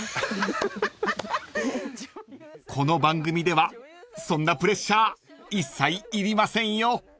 ［この番組ではそんなプレッシャー一切いりませんよ］